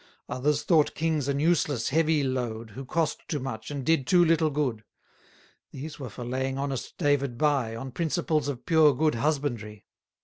Others thought kings an useless heavy load, Who cost too much, and did too little good. These were for laying honest David by, On principles of pure good husbandry.